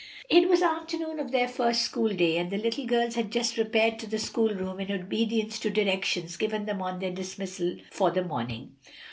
It was afternoon of their first school day, and the little girls had just repaired to the school room in obedience to directions given them on their dismissal for the morning.